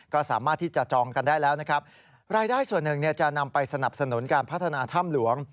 ก็สามารถที่จะจองกันได้แล้วนะครับรายได้ส่วนหนึ่งจะนำไปสนับสนุนการพัฒนาถ้ำหลวง